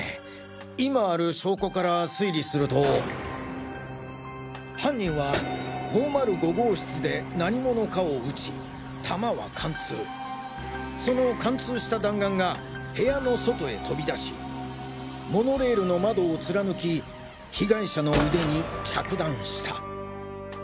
今ある証拠から推理すると犯人は５０５号室で何者かを撃ち弾は貫通その貫通した弾丸が部屋の外へ飛び出しモノレールの窓を貫き被害者の腕に着弾した。